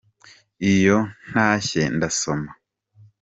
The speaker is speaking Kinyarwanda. Iyo ntashye ndasoma.